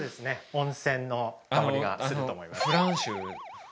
温泉の香りがすると思います